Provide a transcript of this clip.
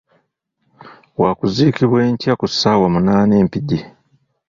Wakuziikibwa enkya ku ssaawa munaana e Mpigi.